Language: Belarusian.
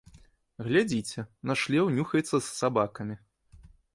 Глядзіце, наш леў нюхаецца з сабакамі.